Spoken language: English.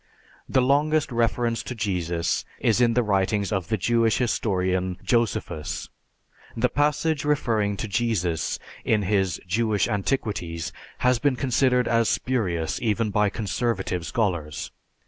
The longest reference to Jesus is in the writings of the Jewish historian, Josephus. The passage referring to Jesus in his "Jewish Antiquities" has been considered as spurious even by conservative scholars.